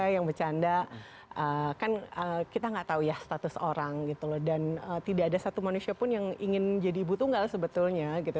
yang bercanda kan kita nggak tahu ya status orang gitu loh dan tidak ada satu manusia pun yang ingin jadi ibu tunggal sebetulnya gitu